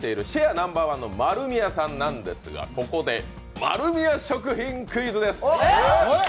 ナンバーワンの丸美屋さんなんですが、ここで、丸美屋食品クイズです。